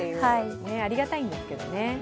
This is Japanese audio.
ありがたいんですけどね。